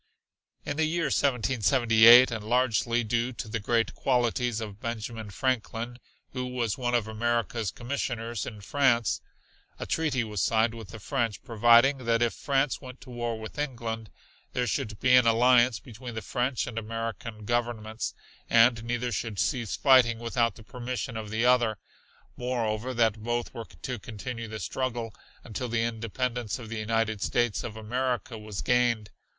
In the year 1778, and largely due to the great qualities of Benjamin Franklin, who was one of America's commissioners in France, a treaty was signed with the French providing that if France went to war with England, there should be an alliance between the French and American Governments, and neither should cease fighting without the permission of the other moreover that both were to continue the struggle until the independence of the United States of America was gained.